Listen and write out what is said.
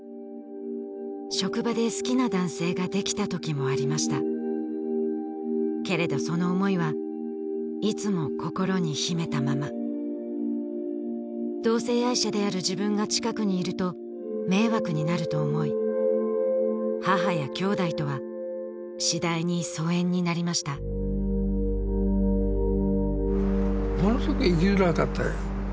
職場で好きな男性ができた時もありましたけれどその思いはいつも心に秘めたまま同性愛者である自分が近くにいると迷惑になると思い母やきょうだいとは次第に疎遠になりましたものすごく生きづらかったよ